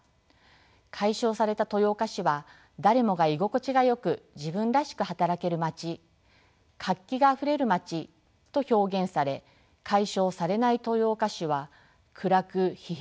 解消された豊岡市は誰もが居心地がよく自分らしく働ける町活気があふれる町と表現され解消されない豊岡市は暗く疲弊した町と表現されています。